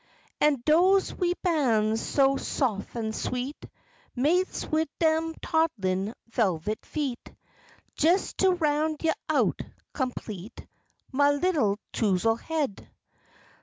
An' doze wee ban's so sof an' sweet, Mates wid dem toddlin', velvet feet, Jes to roun' you out, complete, Mah 'ittle Touzle Head.